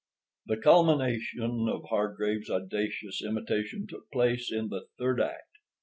The culmination of Hargraves audacious imitation took place in the third act.